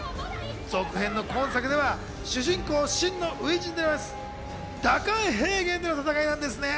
続編の今作では主人公・信の初陣となる蛇甘平原での戦いなんですね。